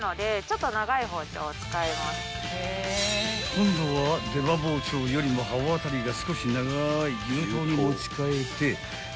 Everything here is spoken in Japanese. ［今度は出刃包丁よりも刃渡りが少し長い牛刀に持ち替えて］